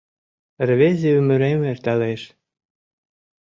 Рвезе ӱмырем эрталеш!